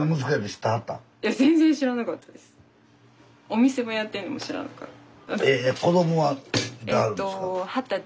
お店もやってるのも知らなかった。